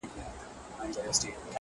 زما په خيال هري انجلۍ ته گوره _